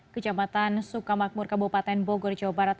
kejamatan sukamakmur kabupaten bogor jawa barat